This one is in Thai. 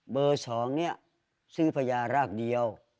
เบอร์๒เนี่ยซื้อพญารากเดียว